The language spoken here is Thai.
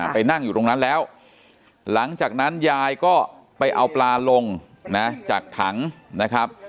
ไปนั่งอยู่ตรงนั้นแล้วหลังจากนั้นยายก็ไปเอาปลาลงนะจากถังนะครับ